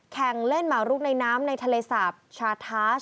แข่งเล่นหมารุกในน้ำในทะเลสาปชาทาส